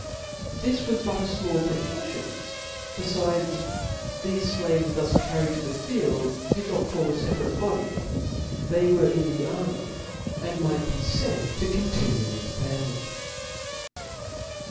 This was but a fmall pro* ?'§9« portion: befides, thefe flaves thus carried to the field, did not form a feparate body ; they were in the army, and might be faid to continue in the family.